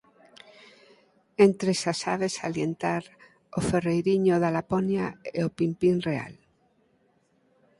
Entres as aves salientar o Ferreiriño da Laponia e o pimpín real.